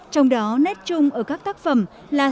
trong đó nét chung ở các tác phẩm là sự hợp